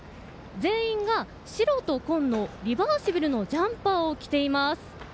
全員が白と紺のリバーシブルのジャンパーを着ています。